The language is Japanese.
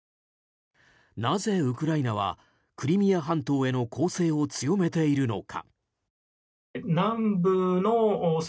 なぜウクライナはクリミア半島への攻勢を強めているのか。